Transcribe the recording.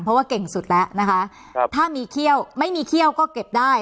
เพราะว่าเก่งสุดแล้วนะคะครับถ้ามีเขี้ยวไม่มีเขี้ยวก็เก็บได้